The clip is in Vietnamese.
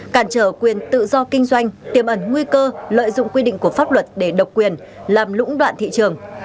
cản trở quyền tự do kinh doanh tiềm ẩn nguy cơ lợi dụng quy định của pháp luật để độc quyền làm lũng đoạn thị trường